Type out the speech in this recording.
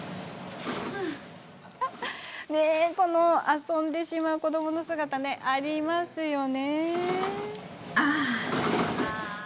遊んでしまう子どもの姿ありますよね。